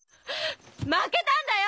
負けたんだよ！